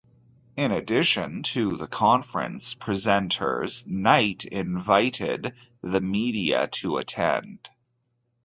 In addition to the conference presenters, Knight invited the media to attend.